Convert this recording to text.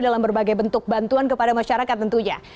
dalam berbagai bentuk bantuan kepada masyarakat tentunya